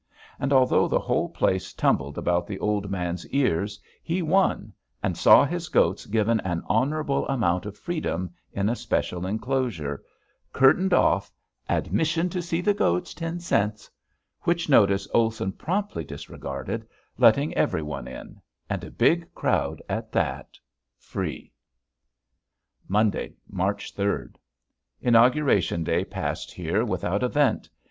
And although the whole place tumbled about the old man's ears, he won, and saw his goats given an honorable amount of freedom in a special enclosure curtained off, "admission to see the goats ten cents," which notice Olson promptly disregarded, letting everyone in and a big crowd at that free. Monday, March third. Inauguration day passed here without event.